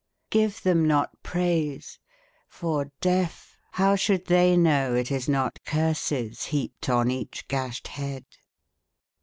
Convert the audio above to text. Give them not praise. For, deaf, how should they know It is not curses heaped on each gashed head